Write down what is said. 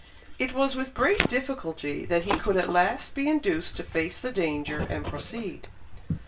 It was with great difficulty that he could at last be induced to face the danger, and proceed."